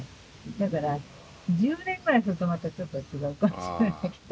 だから１０年ぐらいするとまたちょっと違うかもしれないけど。